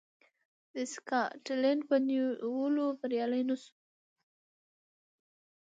د سکاټلنډ په نیولو بریالی نه شو.